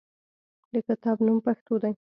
د کتاب نوم "پښتو" دی.